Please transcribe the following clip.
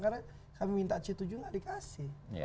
karena kami minta c tujuh gak dikasih